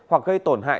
hoặc gây tổn hại